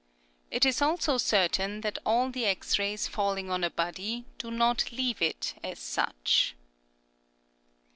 It is also certain that all the X rays falling on a body do not leave it as such.